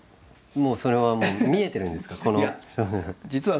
もうそれは見えてるんですか？